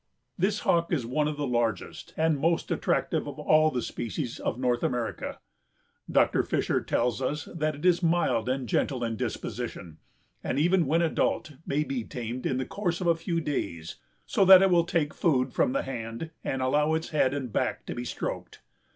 This Hawk is one of the largest and most attractive of all the species of North America. Dr. Fisher tells us that "it is mild and gentle in disposition, and even when adult may be tamed in the course of a few days so that it will take food from the hand and allow its head and back to be stroked.